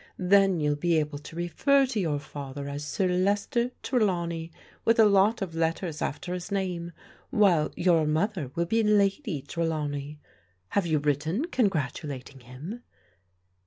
Then you'll be able to refer to your father as Sir Lester Tre lawney with a lot of letters after his name, while your mother will be Lady Trelawney. Have you written con gratulating him